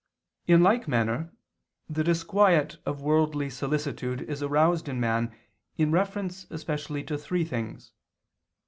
In like manner the disquiet of worldly solicitude is aroused in man in reference especially to three things.